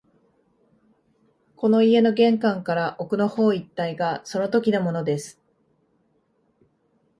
この家の玄関から奥の方一帯がそのときのものです